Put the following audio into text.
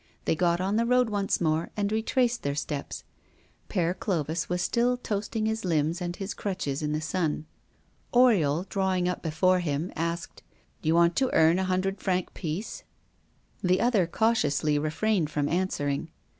They got on the road once more, and retraced their steps. Père Clovis was still toasting his limbs and his crutches in the sun. Oriol, drawing up before him, asked: "Do you want to earn a hundred franc piece?" The other cautiously refrained from answering.